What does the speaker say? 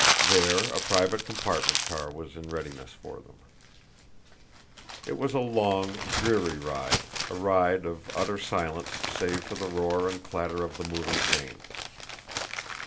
There a private compartment car was in readiness for them. It was a long, dreary ride a ride of utter silence save for the roar and clatter of the moving train.